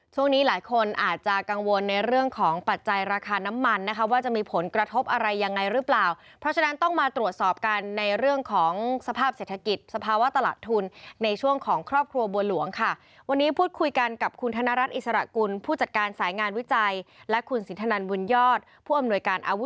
ช่วงนี้หลายคนอาจจะกังวลในเรื่องของปัจจัยราคาน้ำมันนะคะว่าจะมีผลกระทบอะไรยังไงหรือเปล่าเพราะฉะนั้นต้องมาตรวจสอบกันในเรื่องของสภาพเศรษฐกิจสภาวะตลาดทุนในช่วงของครอบครัวบัวหลวงค่ะวันนี้พูดคุยกันกับคุณธนรัฐอิสระกุลผู้จัดการสายงานวิจัยและคุณสินทนันบุญยอดผู้อำนวยการอาวุ